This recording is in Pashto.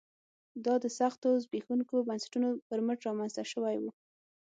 دا د سختو زبېښونکو بنسټونو پر مټ رامنځته شوی و